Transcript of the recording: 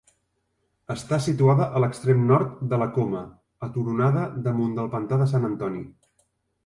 Està situada a l'extrem nord de la Coma, aturonada damunt del pantà de Sant Antoni.